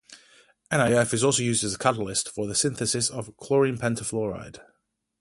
NiF is also used as a catalyst for the synthesis of chlorine pentafluoride.